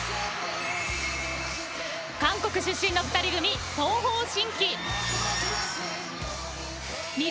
韓国出身の２人組東方神起。